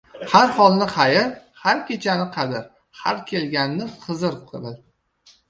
• Har holni xayr, har kechani qadr, har kelganni Hizr bil.